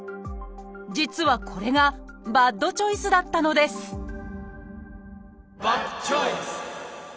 実はこれがバッドチョイスだったのですバッドチョイス！